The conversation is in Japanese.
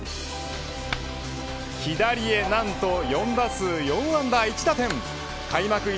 左へ何と４打数４安打１打点開幕